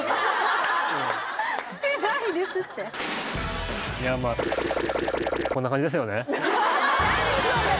してないですってこんな感じですよね何？